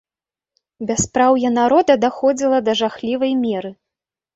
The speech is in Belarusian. Бяспраўе народа даходзіла да жахлівай меры.